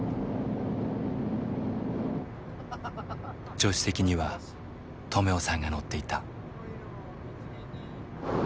助手席には止男さんが乗っていた。